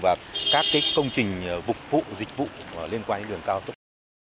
và các công trình phục vụ dịch vụ liên quan đến đường cao tốc